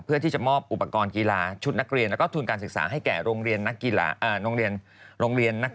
เพื่อที่จะมอบอุปกรณ์กีฬาชุดนักเรียนและทุนการศึกษาให้แก่โรงเรียน